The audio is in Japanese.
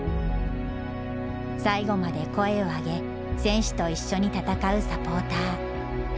最後まで声を上げ選手と一緒に戦うサポーター。